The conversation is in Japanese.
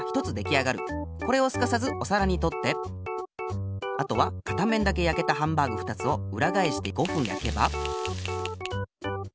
これをすかさずおさらにとってあとは片面だけやけたハンバーグ２つをうらがえして５ふんやけば。